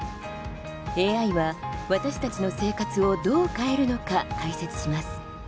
ＡＩは私たちの生活をどう変えるのか、解説します。